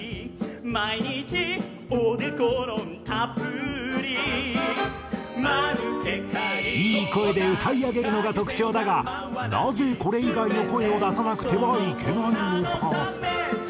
「毎日オーデコロンたっぷり」いい声で歌い上げるのが特徴だがなぜこれ以外の声を出さなくてはいけないのか？